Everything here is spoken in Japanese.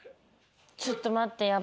ちょっと待って。